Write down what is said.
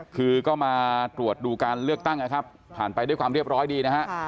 คือก็มาตรวจดูการเลือกตั้งนะครับผ่านไปด้วยความเรียบร้อยดีนะฮะ